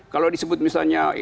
kalau disebut misalnya